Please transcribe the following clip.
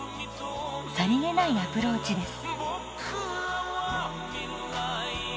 さりげないアプローチです。